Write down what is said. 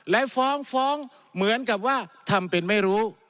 และฟ้องฟ้องเหมือนกับว่าทำเป็นไม่รู้